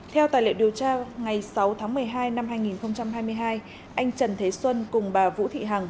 theo tài liệu điều tra ngày sáu tháng một mươi hai năm hai nghìn hai mươi hai anh trần thế xuân cùng bà vũ thị hằng